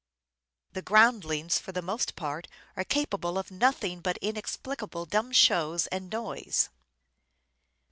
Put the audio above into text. "... the groundlings ... for the most part are capable of nothing but inexplicable dumb shows and noise."